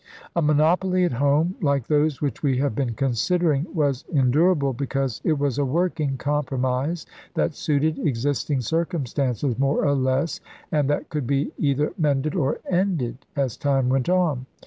A monopoly at home — like those which we have been considering — was endurable because it was a working compromise that suited existing circumstances more or less, and that could be either mended or ended as time went on.